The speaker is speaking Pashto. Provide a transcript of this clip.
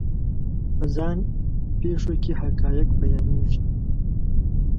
په ځان پېښو کې حقایق بیانېږي.